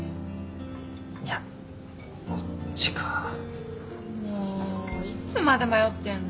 いやこっちか。もいつまで迷ってんの？